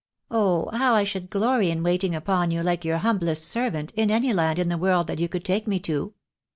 " Oh, how I should glory in waiting upon you like your humblest servant in any land in the world that you could take me to